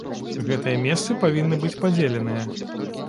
Гэтыя месцы павінны быць падзеленыя.